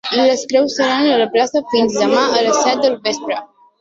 Les creus seran a la plaça fins demà a les set del vespre.